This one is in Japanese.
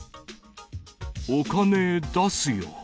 お金出すよ。